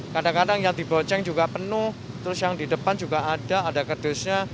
kadang kadang yang diboceng juga penuh terus yang di depan juga ada ada kedusnya